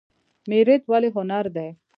میریت ولې هنر دی؟